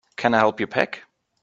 Can I help you pack?